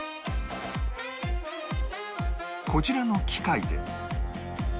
こちらの機械で